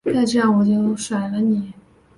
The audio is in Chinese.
再这样我就甩了你唷！